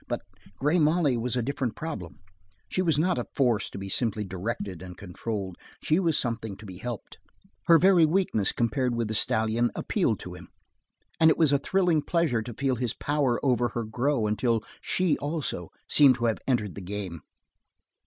But Grey Molly was a different problem. She was not a force to be simply directed and controlled. She was something to be helped. Her very weakness, compared with the stallion, appealed to him. And it was a thrilling pleasure to feel his power over her grow until she, also, seemed to have entered the game.